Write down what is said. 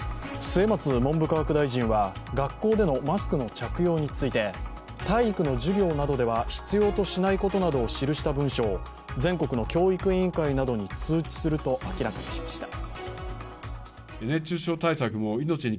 末松文部科学大臣は学校でのマスクの着用について体育の授業などでは必要としないことなどを記した文書を全国の教育委員会などに通知すると明らかにしました。